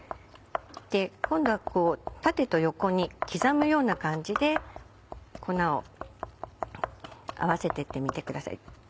今度はこう縦と横に刻むような感じで粉を合わせてってみてください。